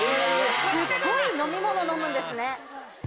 すっごい飲み物飲むんですね。